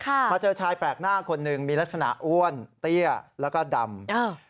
มาเจอชายแปลกหน้าคนหนึ่งมีลักษณะอ้วนเตี้ยแล้วก็ดำอ้าว